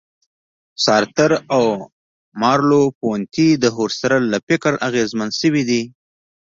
سارتر او مرلوپونتې د هوسرل له فکره اغېزمن شوي دي.